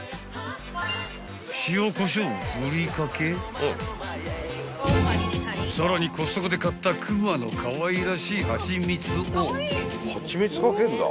［塩こしょうを振りかけさらにコストコで買った熊のかわいらしいハチミツを］